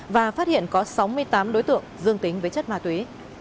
và phát hiện có sáu mươi tám đối tượng dương tính với chất ma túy